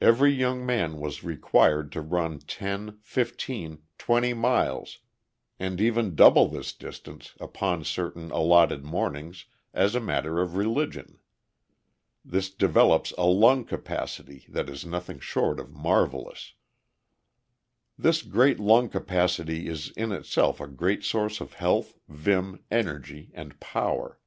Every young man was required to run ten, fifteen, twenty miles, and even double this distance, upon certain allotted mornings, as a matter of religion. This develops a lung capacity that is nothing short of marvelous. This great lung capacity is in itself a great source of health, vim, energy, and power.